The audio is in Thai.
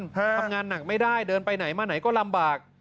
ทำงานหนักไม่ได้เดินไปไหนมาไหนก็ลำบาก